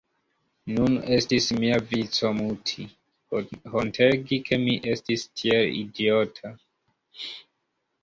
Nun estis mia vico muti, hontegi ke mi estis tiel idiota.